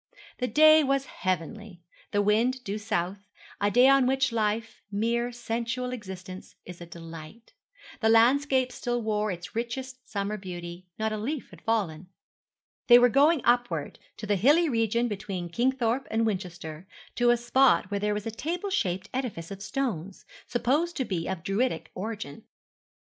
The day was heavenly; the wind due south; a day on which life mere sensual existence is a delight. The landscape still wore its richest summer beauty not a leaf had fallen. They were going upward, to the hilly region between Kingthorpe and Winchester, to a spot where there was a table shaped edifice of stones, supposed to be of Druidic origin.